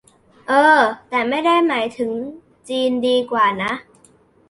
เอ้อ แต่ไม่ได้หมายถึงจีนดีกว่านะ